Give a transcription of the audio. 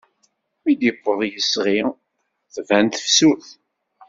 Mi d-iwweḍ yisɣi, tban tefsut.